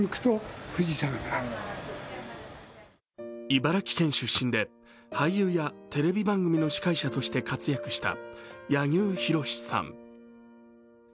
茨城県出身で、俳優やテレビ番組の司会者として活躍した柳生博さん。